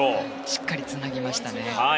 しっかりつなぎましたね。